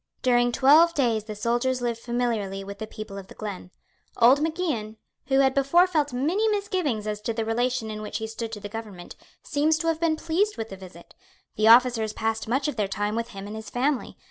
During twelve days the soldiers lived familiarly with the people of the glen. Old Mac Ian, who had before felt many misgivings as to the relation in which he stood to the government, seems to have been pleased with the visit. The officers passed much of their time with him and his family.